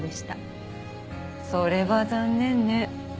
それは残念ね。